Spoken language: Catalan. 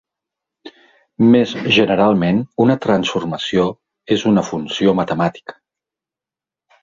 Més generalment, una transformació és una funció matemàtica.